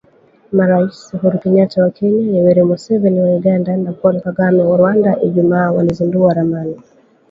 Marais Uhuru Kenyata wa Kenya, Yoweri Museveni wa Uganda, na Paul Kagame wa Rwanda Ijumaa walizindua ramani